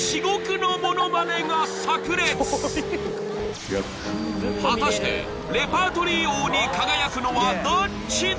２人の果たしてレパートリー王に輝くのはどっちだ？